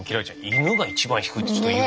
犬が一番低いってちょっと意外。